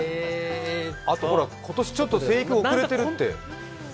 今年、ちょっと生育遅れてるって？